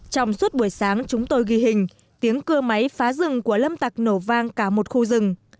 trong suốt buổi sáng chúng tôi ghi hình tiếng cưa máy phá rừng của lâm tặc nổ vang cả một khu rừng